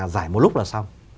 giải một lúc là xong